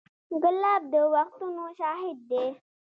ګلاب د وختونو شاهد دی.